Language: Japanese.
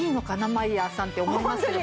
マイヤーさんって思いますけど。